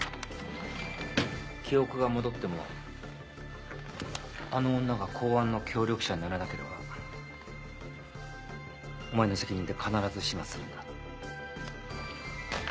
記憶が戻ってもあの女が公安の協力者にならなければお前の責任で必ず始末するんだ。